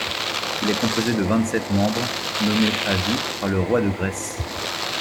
Il est composé de vingt-sept membres, nommés à vie par le roi de Grèce.